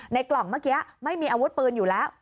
กล่องเมื่อกี้ไม่มีอาวุธปืนอยู่แล้ว